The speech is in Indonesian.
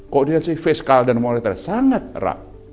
koordinasi fiskal dan monitor sangat erat